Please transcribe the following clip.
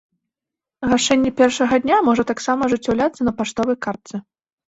Гашэнне першага дня можа таксама ажыццяўляцца на паштовай картцы.